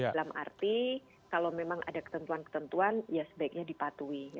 dalam arti kalau memang ada ketentuan ketentuan ya sebaiknya dipatuhi